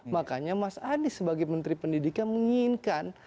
makanya mas anies sebagai menteri pendidikan menginginkan